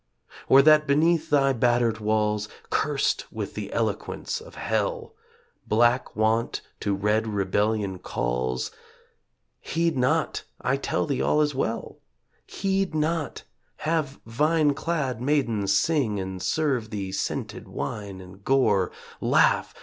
Or that beneath thy battered walls, Cursed with the eloquence of hell, Black Want to red Rebellion calls ...? Heed not, I tell thee all is well! Heed not! Have vine clad maidens sing And serve thee scented wine and gore; Laugh!